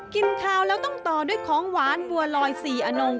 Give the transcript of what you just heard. กินข้าวแล้วต้องต่อด้วยของหวานบัวลอย๔อนง